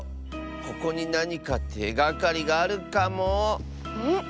ここになにかてがかりがあるかも。